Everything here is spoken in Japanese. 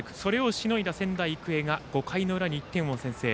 それをしのいだ仙台育英が５回の裏に１点を先制。